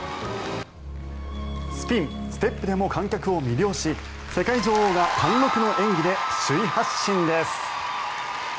スピン、ステップでも観客を魅了し世界女王が貫禄の演技で首位発進です。